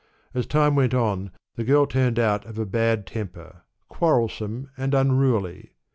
As time went on, the girl turned out of a bad temper, quarrelsome and unruly.